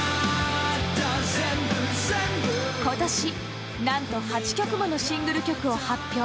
今年、何と８曲ものシングル曲を発表。